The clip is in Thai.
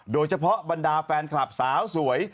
โดยเฉพาะบรรดาแฟนคลับสาวสวย